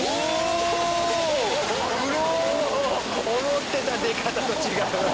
思ってた出方と違う！